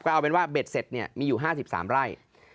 เอาเป็นว่าเบ็ดเสร็จมีอยู่๕๓ไร่